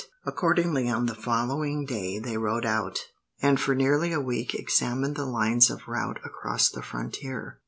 Accordingly, on the following day they rode out, and for nearly a week examined the lines of route across the frontier.